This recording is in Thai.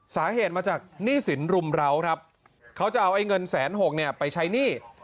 สาเหตุมาจากหนี้สินรุมร้าวครับเขาจะเอาไอ้เงินแสนหกเนี่ยไปใช้หนี้